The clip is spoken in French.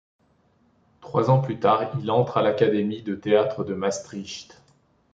Trois ans plus tard, il entre à l'Académie de théâtre de Maastricht.